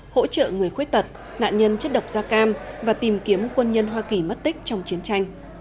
hỗ trợ người khuyết tật nạn nhân chất độc da cam và tìm kiếm quân nhân hoa kỳ mất tích trong chiến tranh